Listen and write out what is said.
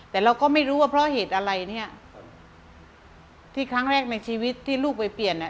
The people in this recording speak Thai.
แต่เราก็ไม่รู้ว่าเพราะเหตุอะไรเนี่ยที่ครั้งแรกในชีวิตที่ลูกไปเปลี่ยนอ่ะ